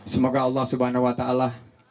semoga allah subhanahu wa ta'ala